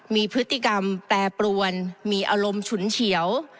มีพฤติกรรมแปรปรวนมีอารมณ์ฉุนเฉียว